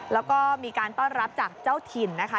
แล้วก็มีการต้อนรับจากเจ้าถิ่นนะคะ